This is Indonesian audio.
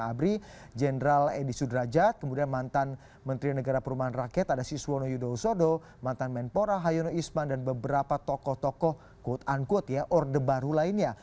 ini adalah mantan panglima abri jenderal edi sudrajat kemudian mantan menteri negara perumahan rakyat ada siswono yudho usodo mantan menpora hayono isman dan beberapa tokoh tokoh quote unquote ya order baru lainnya